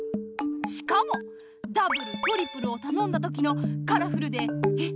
しかもダブルトリプルをたのんだときのカラフルでえっ？